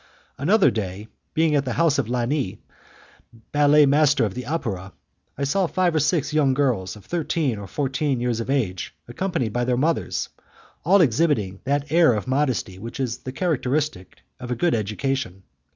Another day, being at the house of Lani, ballet master of the opera, I saw five or six young girls of thirteen or fourteen years of age accompanied by their mothers, and all exhibiting that air of modesty which is the characteristic of a good education.